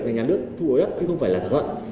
là nhà nước thu hút đất chứ không phải là thỏa thuận